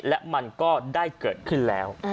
และมันก็ได้เกิดขึ้นแล้ว